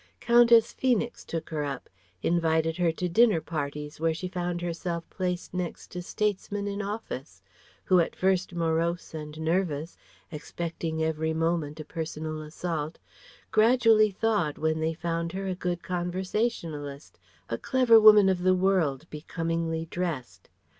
Countess Feenix took her up, invited her to dinner parties where she found herself placed next to statesmen in office, who at first morose and nervous expecting every moment a personal assault gradually thawed when they found her a good conversationalist, a clever woman of the world, becomingly dressed.